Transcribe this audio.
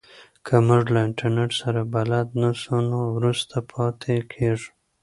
که موږ له انټرنیټ سره بلد نه سو نو وروسته پاتې کیږو.